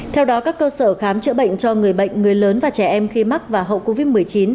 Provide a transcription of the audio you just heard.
theo đó các cơ sở khám chữa bệnh cho người bệnh người lớn và trẻ em khi mắc và hậu covid một mươi chín